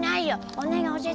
お願い教えて！